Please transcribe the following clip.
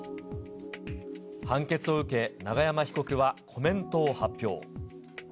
判決を受け、永山被告はコメントを発表。